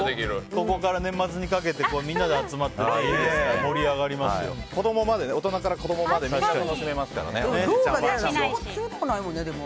ここから年末にかけてみんなで集まってやったら大人から子供まで廊下でやるのかな。